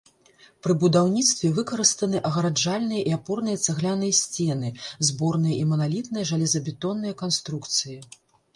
Пры будаўніцтве выкарыстаны агараджальныя і апорныя цагляныя сцены, зборныя і маналітныя жалезабетонныя канструкцыі.